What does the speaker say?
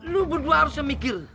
lu berdua harus mikir